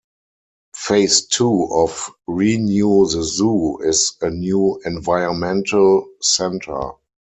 Phase two of Renew The Zoo is a new Environmental Center.